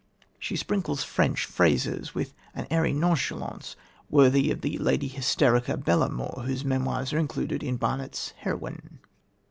She sprinkles French phrases with an airy nonchalance worthy of the Lady Hysterica Belamour, whose memoirs are included in Barrett's Heroine.